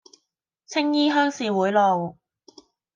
青衣鄉事會路